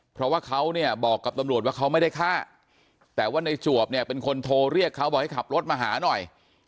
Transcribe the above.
เพราะว่าเขาเนี่ยบอกกับตำรวจว่าเขาไม่ได้ฆ่าแต่ว่าในจวบเนี่ยเป็นคนโทรเรียกเขาบอกให้ขับรถมาหาหน่อย